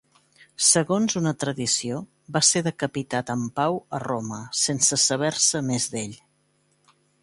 Segons una tradició, va ser decapitat amb Pau a Roma, sense saber-se més d'ell.